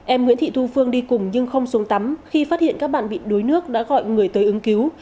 em nguyễn thị thu phương đi cùng nhưng không xuống tắm khi phát hiện các bạn bị đuối nước đã gọi người tới ứng cứu